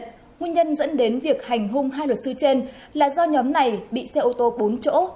nguyên nhân dẫn đến việc hành hung hai luật sư trên là do nhóm này bị xe ô tô bốn chỗ